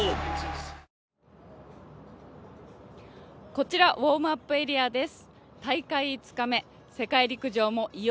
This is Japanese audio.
こちら、ウォームアップエリアです。